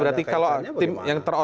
ini catatannya berarti